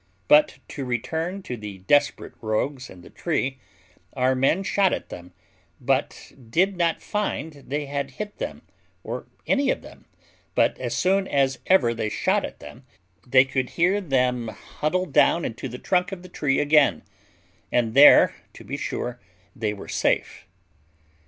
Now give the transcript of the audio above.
But to return to the desperate rogues in the tree; our men shot at them, but did not find they had hit them, or any of them; but as soon as ever they shot at them, they could hear them huddle down into the trunk of the tree again, and there, to be sure, they were safe.